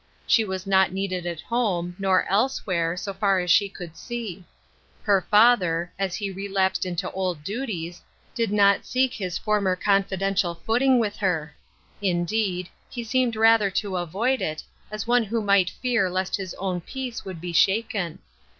She was not needed at home, Tior elsewhere, so far as she could see. Iler Bests, 229 father, as he relapsed into old duties, did not seek his former confidential footing with her ; indeed, he seemed rather to avoid it, as one who might fear lest his own peace would be shaken.